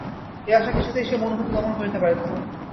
এ আশা কিছুতেই সে মন হইতে দমন করিতে পারিত না।